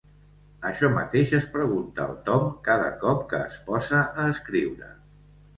Això mateix es pregunta el Tom cada cop que es posa a escriure.